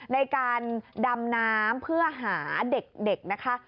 ในการดำน้ำเพื่อหาเด็กนะคะ